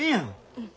うん。